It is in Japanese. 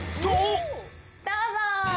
どうぞ！